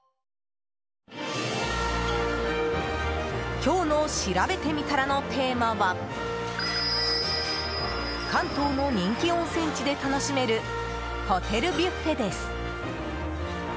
今日のしらべてみたらのテーマは関東の人気温泉地で楽しめるホテルビュッフェです。